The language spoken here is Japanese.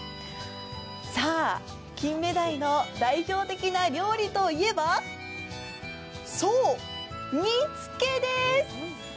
さあ、キンメダイの代表的な料理といえばそう、煮つけです。